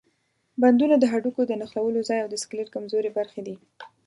بندونه د هډوکو د نښلولو ځای او د سکلیټ کمزورې برخې دي.